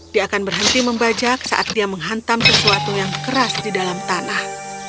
dia akan berhenti membajak saat dia menghantam sesuatu yang keras di dalam tanah